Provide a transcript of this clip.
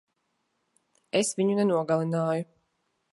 Es viņu nenogalināju.